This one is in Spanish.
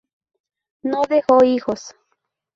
No dejó hijos.